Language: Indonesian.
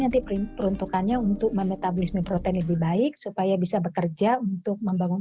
nanti peruntukannya untuk memetablisme protein lebih baik supaya bisa bekerja untuk membangun